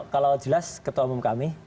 kalau jelas ketua umum kami